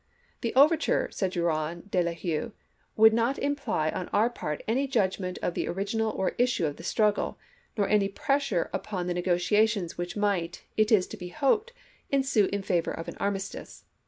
" The overture," said Drouyn de I'Huys, " would not imply on our part any judg ment of the origin or issue of the struggle, nor any pressure upon the negotiations which might, it is to be hoped, ensue in favor of an armistice.